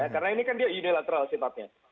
karena ini kan dia unilateral sifatnya